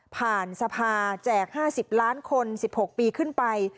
ผ่านสภาษณ์แจก๕๐ล้านคน๑๖ปีขึ้นไป